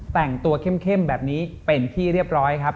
แต่งตัวเข้มแบบนี้เป็นที่เรียบร้อยครับ